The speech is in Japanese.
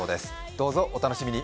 どうぞお楽しみに。